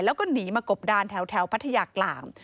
แล้วก็หนีมากบดานแถวพัทยากลาง